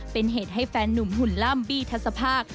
เป็นเหตุให้แฟนนุ่มหุ่นล่ำบี้ทัศภาค